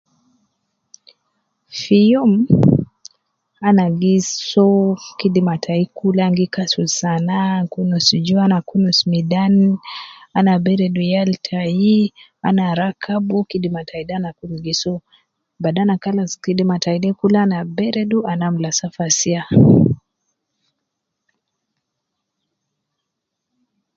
Fi youm, ana gi soo kidima tayi kulu ana gi kasul sana, ana kunus juwa, aan kunus midan, ana beredu yal tayi, ana rakabu kidima tayi ana kul gi soo, bada ana kalas kidima tayi de kul ana beredu ana amula safa siya.